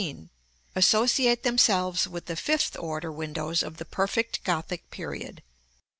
associate themselves with the fifth order windows of the perfect Gothic period.